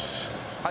はい。